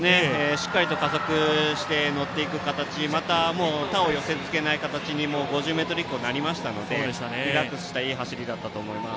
しっかりと加速して乗っていく形また、他を寄せつけない形に５０ｍ以降なりましたのでリラックスしたいい走りだったと思います。